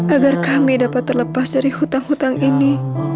agar kami dapat terlepas dari hutang hutang ini